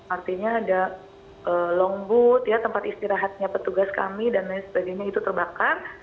artinya ada longboot tempat istirahatnya petugas kami dan lain sebagainya itu terbakar